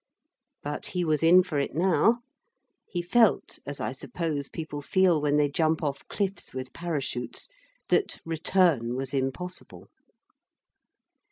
But he was in for it now. He felt, as I suppose people feel when they jump off cliffs with parachutes, that return was impossible.